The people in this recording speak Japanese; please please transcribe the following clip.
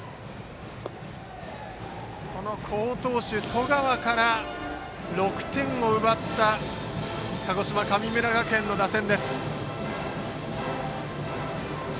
好投手、十川から６点を奪った鹿児島・神村学園の打線。